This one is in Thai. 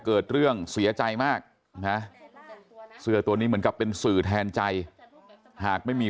เกิดเรื่องเสียใจมากนะเสื้อตัวนี้เหมือนกับเป็นสื่อแทนใจหากไม่มี